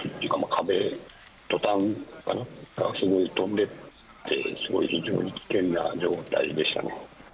壁、トタンかな、飛んでって、すごい非常に危険な状態でしたね。